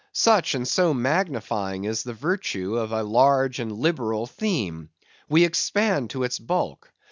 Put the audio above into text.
Such, and so magnifying, is the virtue of a large and liberal theme! We expand to its bulk.